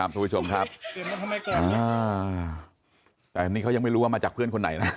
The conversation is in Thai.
แต่นี่เขายังไม่รู้ว่ามันจากเพื่อนคนไหนนะ